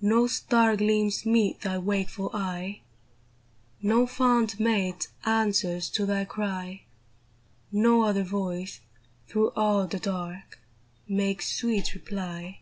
No star gleams meet thy wakeful eye ; No fond mate answers to thy cry ; No other voice, through all the dark, Makes sweet reply.